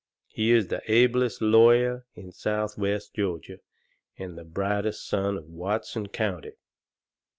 He is the ablest lawyer in southwest Georgia and the brightest son of Watson County."